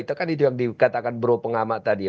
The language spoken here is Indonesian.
itu kan itu yang dikatakan bro pengamat tadi